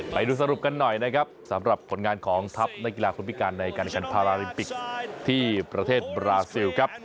ไปดูสรุปกันหน่อยนะครับสำหรับผลงานของทัพนักกีฬาคนพิการในการขันพาราลิมปิกที่ประเทศบราซิลครับ